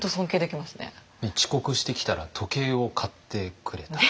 遅刻してきたら時計を買ってくれた。